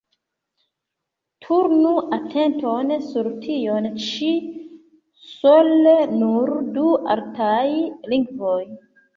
Turnu atenton sur tion ĉi: sole nur du artaj lingvoj.